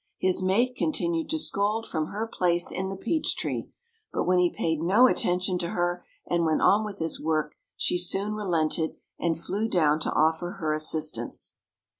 His mate continued to scold from her place in the peach tree, but when he paid no attention to her and went on with his work she soon relented and flew down to offer her assistance.